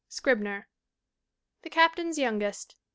Scribner. The Captain's Youngest, 1898.